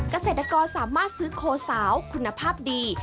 เกษตรกรสามารถซื้อโคสาวคุณภาพดี